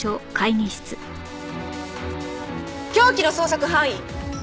凶器の捜索範囲